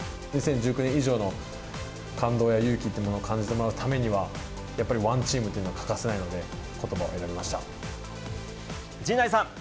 ２０１９年以上の、感動や勇気っていうものを感じてもらうためには、やっぱりワンチームというのは欠かせないので、ことばを選びまし陣内さん。